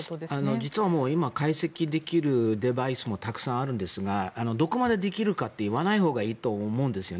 実はもう今解析できるデバイスもたくさんあるんですがどこまでできるかって言わないほうがいいと思うんですよね。